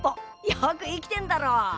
よく生きてんだろ。